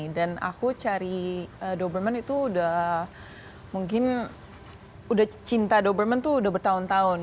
dan aku cari doberman itu udah mungkin udah cinta doberman itu udah bertahun tahun